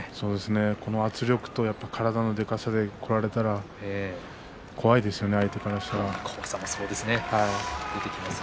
この圧力と体のでかさでこられたら怖いですよね、相手からすると。